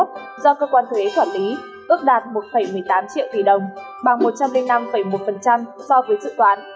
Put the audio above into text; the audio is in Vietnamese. do cơ quan thuế quản lý ước đạt một một mươi tám triệu tỷ đồng bằng một trăm linh năm một so với dự toán